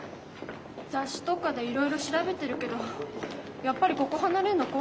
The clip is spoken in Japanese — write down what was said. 雑誌とかでいろいろ調べてるけどやっぱりここ離れるの怖い。